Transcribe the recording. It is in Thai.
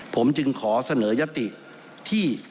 ผมจึงขอเสนอยติที่